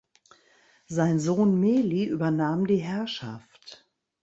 Sein Sohn Meli übernahm die Herrschaft.